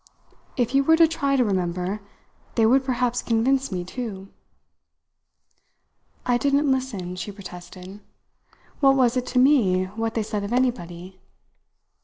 If you were to try to remember, they would perhaps convince me, too." "I didn't listen," she protested. "What was it to me what they said of anybody?